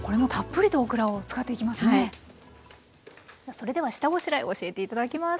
それでは下ごしらえを教えて頂きます。